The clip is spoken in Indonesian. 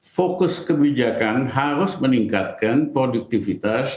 fokus kebijakan harus meningkatkan produktivitas